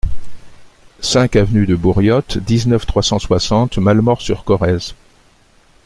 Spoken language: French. cinq avenue de Bouriottes, dix-neuf, trois cent soixante, Malemort-sur-Corrèze